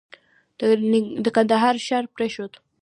د کندهار ښار پرېښود.